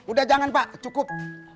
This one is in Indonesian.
udah jangan pak cukup